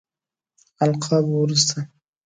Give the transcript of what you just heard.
القابو وروسته.